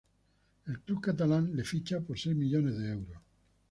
El club catalán le ficha por seis millones de euros.